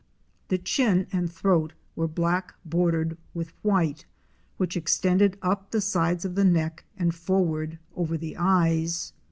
The chin and throat were black bordered with white which extended up the sides of the neck and forward over the eyes.